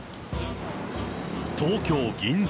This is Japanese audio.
東京・銀座。